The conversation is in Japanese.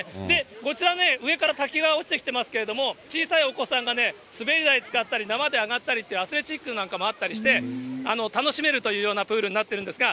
こちらね、上から滝が落ちてきてますけども、小さいお子さんがね、滑り台つかったり、上がったりっていうアスレチックなんかもあったりして、楽しめるというようなプールになってるんですが。